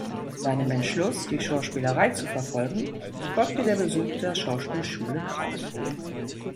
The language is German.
Seinem Entschluss, die Schauspielerei zu verfolgen, folgte der Besuch der Schauspielschule Krauss.